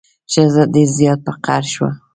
ښځه ډیر زیات په قهر شوه.